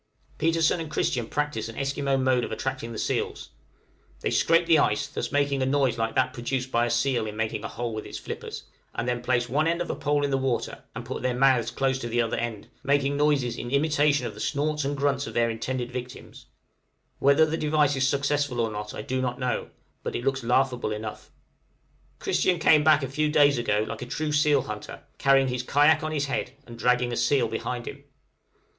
Petersen and Christian practise an Esquimaux mode of attracting the seals; they scrape the ice, thus making a noise like that produced by a seal in making a hole with its flippers, and then place one end of a pole in the water and put their mouths close to the other end, making noises in imitation of the snorts and grunts of their intended victims; whether the device is successful or not I do not know, but it looks laughable enough. {SEAL SHOOTING.} Christian came back a few days ago, like a true seal hunter, carrying his kayak on his head, and dragging a seal behind him.